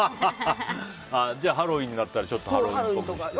じゃあハロウィーンになったらハロウィーンっぽくして。